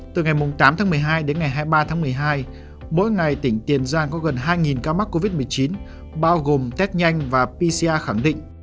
từ ngày tám tháng một mươi hai đến ngày hai mươi ba tháng một mươi hai mỗi ngày tỉnh tiền giang có gần hai ca mắc covid một mươi chín bao gồm test nhanh và pcr khẳng định